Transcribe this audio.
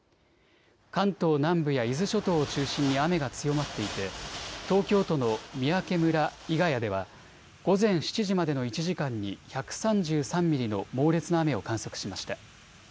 関東南部や伊豆諸島を中心に雨が強まっていて東京都の三宅村伊ヶ谷では午前７時までの１時間に１３３ミリの猛烈な雨を観測しました。